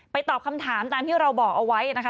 ตอบคำถามตามที่เราบอกเอาไว้นะคะ